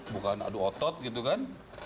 bukan adu otot gitu kan